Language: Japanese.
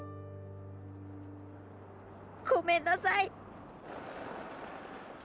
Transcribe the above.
ごめんなさい！